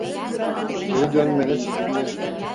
Geri dönmene sevindim.